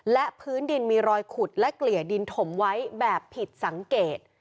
และพื้นดินมีรอยขุดและเกลี่ยดินถมไว้แบบผิดสังเกต